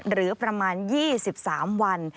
หรือประมาณ๒๓วัน